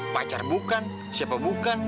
pacar bukan siapa bukan